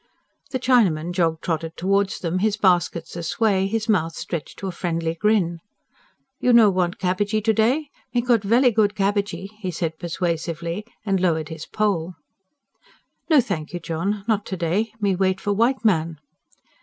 The Chinaman jog trotted towards them, his baskets a sway, his mouth stretched to a friendly grin. "You no want cabbagee to day? Me got velly good cabbagee," he said persuasively and lowered his pole. "No thank you, John, not to day. Me wait for white man."